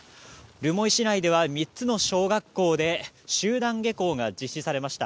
留萌市内では３つの小学校で集団下校が実施されました。